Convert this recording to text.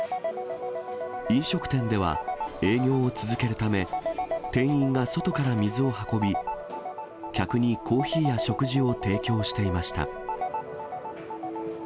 飲食店では、営業を続けるため、店員が外から水を運び、客にコーヒーや食事を提供していました。